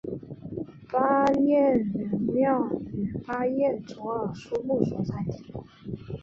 巴彦乃庙位于巴彦淖尔苏木所在地。